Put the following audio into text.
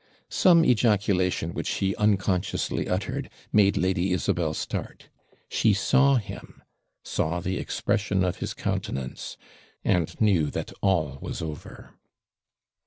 Some ejaculation, which he unconsciously uttered, made Lady Isabel start. She saw him saw the expression of his countenance, and knew that all was over.